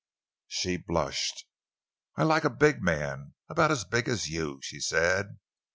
She blushed. "I like a big man—about as big as you," she said.